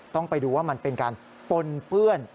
ต้องไปดูว่ามันเป็นการปนเปื้อน